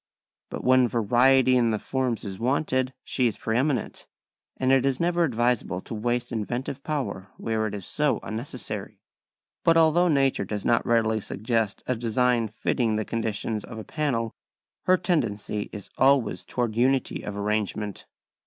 But when variety in the forms is wanted, she is pre eminent, and it is never advisable to waste inventive power where it is so unnecessary. But although nature does not readily suggest a design fitting the conditions of a panel her tendency is always towards unity of arrangement.